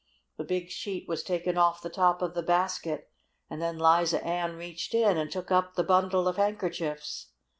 The big sheet was taken off the top of the basket, and then Liza Ann reached in and took up the bundle of handkerchiefs.